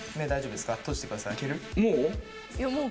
もう？